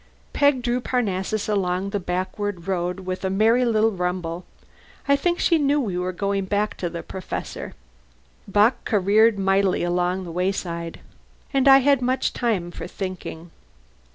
Peg drew Parnassus along the backward road with a merry little rumble. I think she knew we were going back to the Professor. Bock careered mightily along the wayside. And I had much time for thinking.